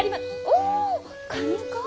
おカニか？